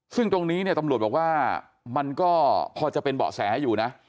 ซึ่งตรงนี้เนี่ยตำรวจบอกว่ามันก็พอจะเป็นเบาะแสอยู่นะ